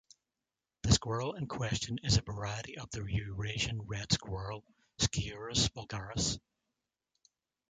The squirrel in question is a variety of the Eurasian red squirrel, "Sciurus vulgaris".